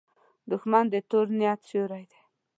دښمن د تور نیت سیوری دی